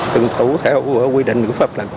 tương thủ theo quy định của pháp luật